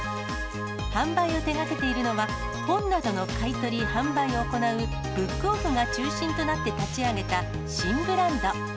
販売を手がけているのは、本などの買い取り・販売を行う、ブックオフが中心となって立ち上げた新ブランド。